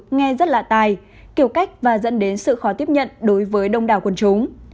nghe rất lạ tài kiểu cách và dẫn đến sự khó tiếp nhận đối với đông đảo quân chúng